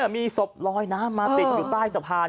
มีศพลอยน้ำมาติดอยู่ใต้สะพาน